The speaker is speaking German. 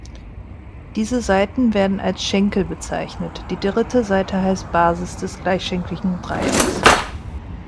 Diese Seiten werden als "Schenkel" bezeichnet, die dritte Seite heißt "Basis" des gleichschenkligen Dreiecks.